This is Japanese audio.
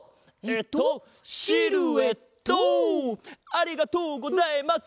ありがとうございます！